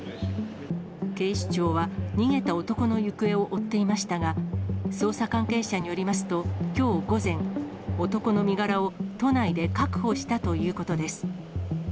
警視庁は、逃げた男の行方を追っていましたが、捜査関係者によりますと、きょう午前、男の身柄を都内で確保したということです。